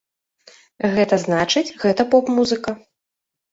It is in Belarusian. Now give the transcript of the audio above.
Гэта значыць, гэта поп музыка.